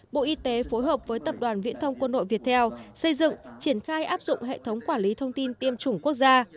bộ y tế phối hợp với tập đoàn viễn thông quân đội việt theo xây dựng triển khai áp dụng hệ thống quản lý thông tin tiêm chủng quốc gia